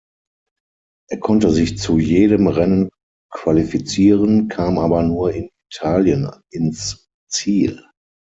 Er konnte sich zu jedem Rennen qualifizieren, kam aber nur in Italien ins Ziel.